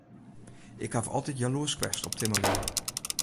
Ik haw altyd jaloersk west op timmerlju.